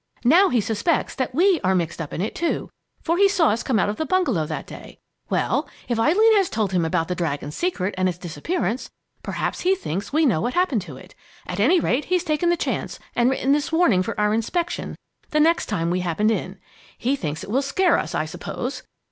Now he suspects that we are mixed up in it, too, for he saw us come out of the bungalow that day. Well, if Eileen has told him about the Dragon's Secret and its disappearance, perhaps he thinks we know what happened to it. At any rate, he's taken the chance, and written this warning for our inspection the next time we happened in. He thinks it will scare us, I suppose!